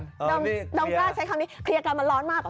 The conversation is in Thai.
ดอมกล้าใช้คำนี้เคลียร์กันมันร้อนมาก